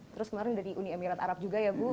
terus kemarin dari uni emirat arab juga ya bu